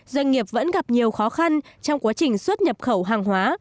doanh nghiệp vẫn gặp nhiều khó khăn trong quá trình xuất nhập khẩu hàng hóa